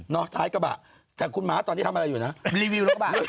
นอกท้ายกระบะแต่คุณตอนที่ทำอะไรอยู่นะไป